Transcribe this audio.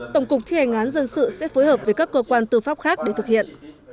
tổng cục thi hành án dân sự sẽ phối hợp với các cơ quan tư pháp khác để thực hiện